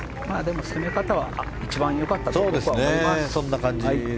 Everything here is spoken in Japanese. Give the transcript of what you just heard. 攻め方は一番良かったと思います。